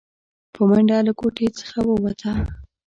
په منډه له کوټې څخه ووته.